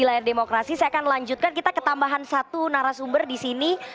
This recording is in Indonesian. saya akan lanjutkan kita ketambahan satu narasumber di sini